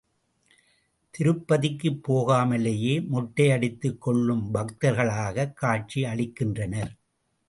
திருப்பதிக்குப் போகாமலேயே மொட்டையடித்துக் கொள்ளும் பக்தர்களாகக் காட்சி அளிக்கின்றனர்.